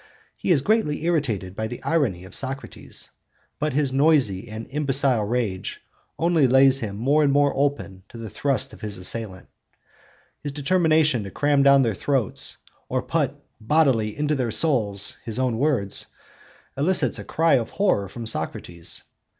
He is greatly irritated by the irony of Socrates, but his noisy and imbecile rage only lays him more and more open to the thrusts of his assailant. His determination to cram down their throats, or put 'bodily into their souls' his own words, elicits a cry of horror from Socrates.